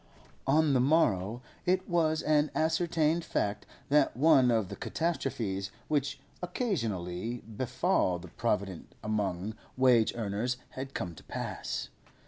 On the morrow it was an ascertained fact that one of the catastrophes which occasionally befall the provident among wage earners had come to pass.